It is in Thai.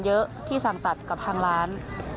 เยอะที่สั่งตัดกับทางร้าน